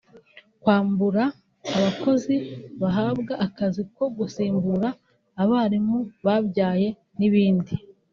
kwambura abakozi bahabwa akazi ko gusimbura abarimu babyaye n’ibindi